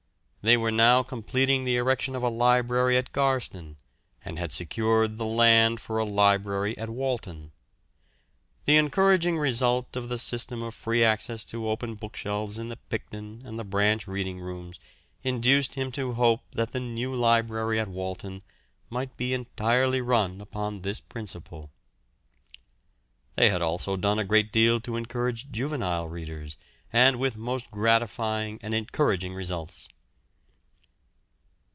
They were now completing the erection of a library at Garston, and had secured the land for a library at Walton. The encouraging result of the system of free access to open bookshelves in the Picton and the branch reading rooms induced him to hope that the new library at Walton might be entirely run upon this principle. They had also done a great deal to encourage juvenile readers and with most gratifying and encouraging results.